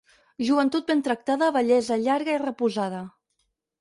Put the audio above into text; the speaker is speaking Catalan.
Joventut ben tractada, vellesa llarga i reposada.